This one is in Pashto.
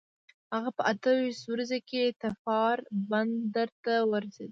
هغه په اته ویشت ورځي کې ظفار بندر ته ورسېد.